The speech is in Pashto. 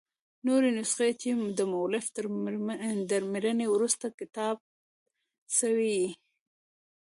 نوري نسخې، چي دمؤلف تر مړیني وروسته کتابت سوي يي.